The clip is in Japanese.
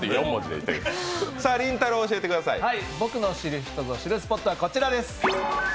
僕の知る人ぞ知るスポットは、こちらです。